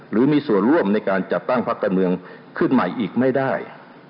หรือมีส่วนร่วมในการจัดตั้งพักการเมืองขึ้นใหม่อีกไม่ได้